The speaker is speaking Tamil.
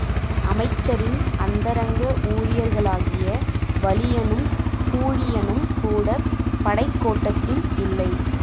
அமைச்சரின் அந்தரங்க ஊழியர்களாகிய வலியனும் பூழியனும் கூடப் படைக்கோட்டத்தில் இல்லை.